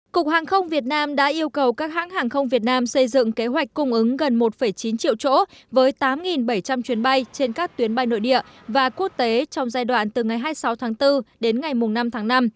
cục hàng không việt nam đã yêu cầu các hãng hàng không việt nam xây dựng kế hoạch cung ứng gần một chín triệu chỗ với tám bảy trăm linh chuyến bay trên các tuyến bay nội địa và quốc tế trong giai đoạn từ ngày hai mươi sáu tháng bốn đến ngày năm tháng năm